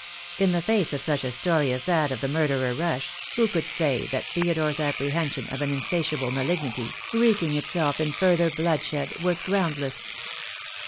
In the face of such a story as that of the murderer Rush, who could say that Theodore's apprehen sion of an insatiable malignity, wreaking itself in further bloodshed, was groundless?